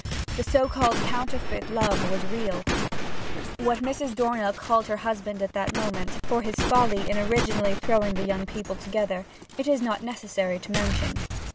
The so called counterfeit love was real. What Mrs. Dornell called her husband at that moment, for his folly in originally throwing the young people together, it is not necessary to mention.